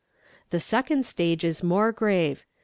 The second stage is more grave.